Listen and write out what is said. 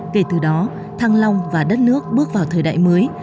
kể từ đó thăng long và đất nước bước vào thời đại mới